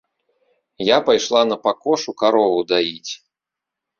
Я пайшла на пакошу карову даіць.